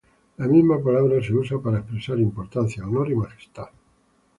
La misma palabra se usa para expresar "importancia", "honor" y "majestad".